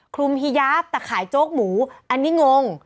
คลุมฮียาฟแต่ขายโจ๊กหมูอันนี้งง